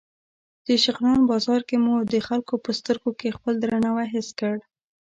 د شغنان بازار کې مو د خلکو په سترګو کې خپل درناوی حس کړ.